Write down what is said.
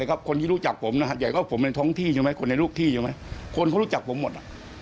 โอ้โหอย่าพูด